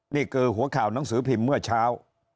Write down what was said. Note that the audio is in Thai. นี่คือหัวข่าวหนังสือพิมพ์เมื่อเช้า